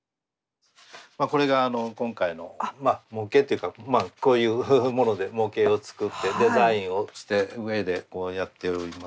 これがあの今回のまあ模型というかこういうもので模型を作ってデザインをした上でやっております。